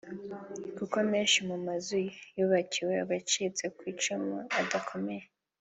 Kuko menshi mu mazu yubakiwe abacitse ku icumu adakomeye